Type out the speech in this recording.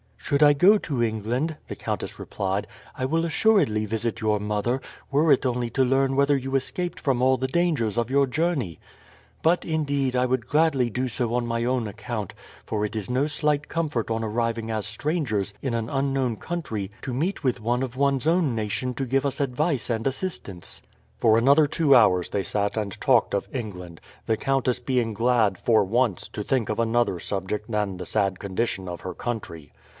"Should I go to England," the countess replied, "I will assuredly visit your mother, were it only to learn whether you escaped from all the dangers of your journey; but, indeed, I would gladly do so on my own account, for it is no slight comfort on arriving as strangers in an unknown country to meet with one of one's own nation to give us advice and assistance." For another two hours they sat and talked of England, the countess being glad, for once, to think of another subject than the sad condition of her country.